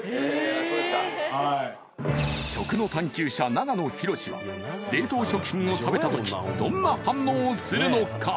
長野博は冷凍食品を食べた時どんな反応をするのか？